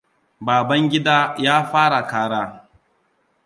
Babangida ya fara kara.